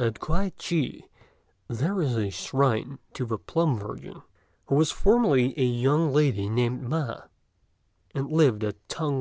At Kuei chi there is a shrine to the Plum Virgin, who was formerly a young lady named Ma, and lived at Tung wan.